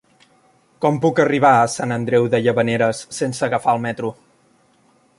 Com puc arribar a Sant Andreu de Llavaneres sense agafar el metro?